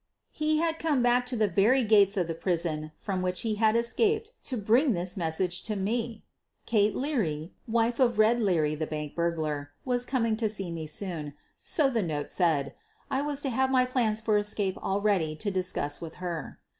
He had come back to the very gates of the prison from which he had escaped to bring this message to me! Kate Leary, wife of "Red" Leary, the bank burglar, was coming to see me soon — so the note said. I was to have my plans for escape all ready to discuss with her.